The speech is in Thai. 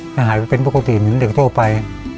ให้หายไปเป็นปกติหนึ่งเด็กโชคไป